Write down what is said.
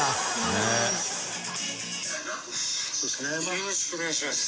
よろしくお願いします。